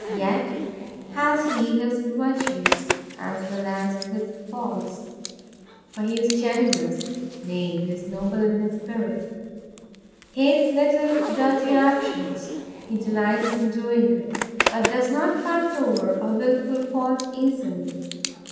Yet has he his virtues, as well as his faults; for he is generous; nay, he is noble in his spirit; hates little dirty actions: he delights in doing good; but does not pass over a wilful fault easily.